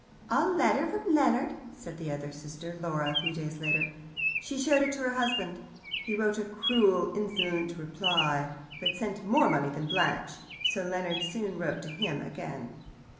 "A letter from Leonard!" said the other sister, Laura, a few days later. She showed it to her husband. He wrote a cruel insolent reply, but sent more money than Blanche, so Leonard soon wrote to him again.